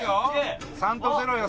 ３と０よ。